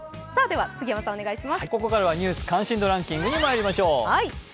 ここからは「ニュース関心度ランキング」にまいりましょう。